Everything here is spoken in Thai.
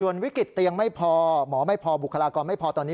วิกฤตเตียงไม่พอหมอไม่พอบุคลากรไม่พอตอนนี้